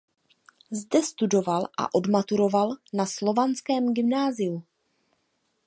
Zde studoval a odmaturoval na Slovanském gymnáziu.